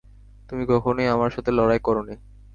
তুমি কখনোই আমার সাথে লড়াই করোনি।